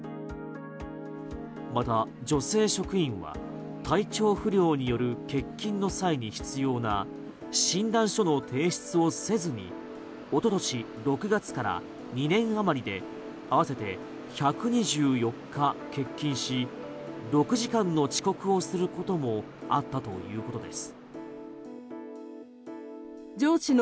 また、女性職員は体調不良による欠勤の際に必要な診断書の提出をせずに一昨年６月から２年あまりで合わせて１２４日欠勤し６時間の遅刻をすることもあったということです。